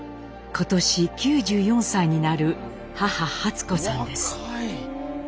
今年９４歳になる母初子さんです。